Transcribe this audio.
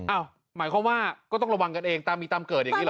หมายความว่าก็ต้องระวังกันเองตามมีตามเกิดอย่างนี้เหรอ